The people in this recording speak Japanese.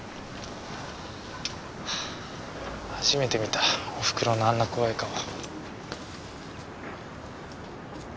はぁ初めて見たおふくろのあんな怖い顔。